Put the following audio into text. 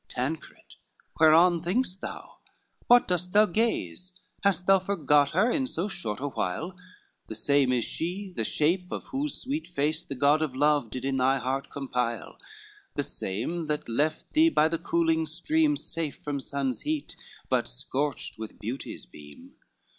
Tancred, whereon think'st thou? what dost thou gaze? Hast thou forgot her in so short a while? The same is she, the shape of whose sweet face The God of Love did in thy heart compile, The same that left thee by the cooling stream, Safe from sun's heat, but scorched with beauty's beam.